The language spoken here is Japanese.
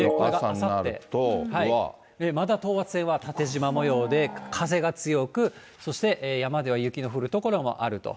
まだ等圧線は縦じま模様で、風が強く、そして山では雪の降る所もあると。